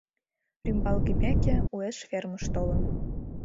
Рӱмбалгымеке уэш фермыш толын.